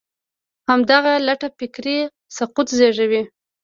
همدغه لټه فکري سقوط زېږوي.